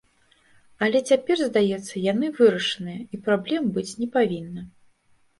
Але цяпер, здаецца, яны вырашаныя і праблем быць не павінна.